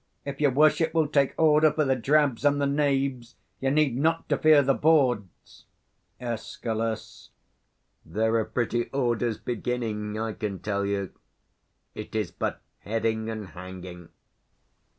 If your worship will take order for the drabs and 220 the knaves, you need not to fear the bawds. Escal. There are pretty orders beginning, I can tell you: it is but heading and hanging.